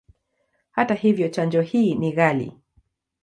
Hata hivyo, chanjo hii ni ghali.